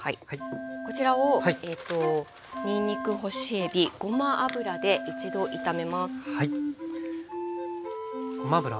こちらをにんにく干しえびごま油で一度炒めます。